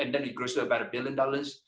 dan kemudian tumbuh sampai sekitar satu juta dolar